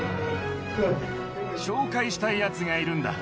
紹介したいやつがいるんだ。